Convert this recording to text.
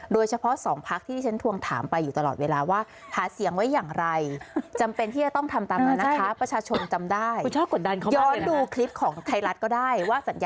โดยเฉพาะสองพักที่ที่ฉันทวงถามไปอยู่ตลอดเวลาว่าหาเสียงไว้อย่างไร